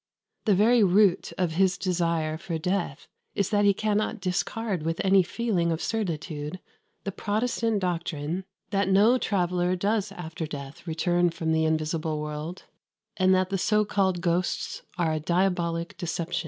The very root of his desire for death is that he cannot discard with any feeling of certitude the Protestant doctrine that no traveller does after death return from the invisible world, and that the so called ghosts are a diabolic deception.